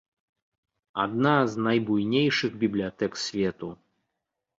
Адна з найбуйнейшых бібліятэк свету.